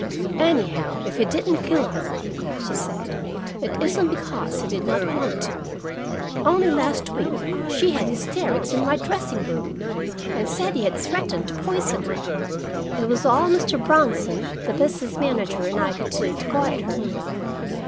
"Anyhow, if he didn't kill her," she said, "it isn't because he did not want to. Only last week she had hysterics in my dressing room, and said he had threatened to poison her. It was all Mr. Bronson, the business manager, and I could do to quiet her."